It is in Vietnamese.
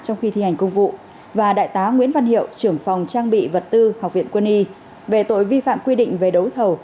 trong khi thi hành công vụ và đại tá nguyễn văn hiệu trưởng phòng trang bị vật tư học viện quân y về tội vi phạm quy định về đấu thầu